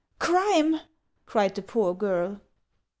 crime!'' cried the poor girl.